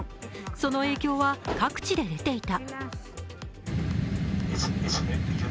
その影響は各地で出ていた。